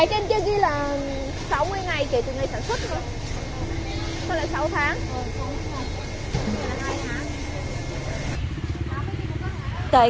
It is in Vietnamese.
cái trên kia ghi là sáu mươi ngày kể từ ngày sản xuất thôi